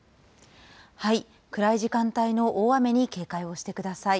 暗い時間帯の大雨に警戒をしてください。